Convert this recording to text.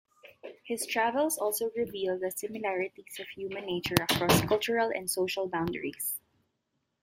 His travels also reveal the similarities of human nature across cultural and social boundaries.